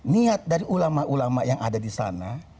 niat dari ulama ulama yang ada di sana